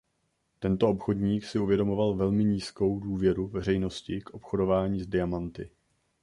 Tento obchodník si uvědomoval velmi nízkou důvěru veřejnosti k obchodování s diamanty.